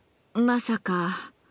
まさか。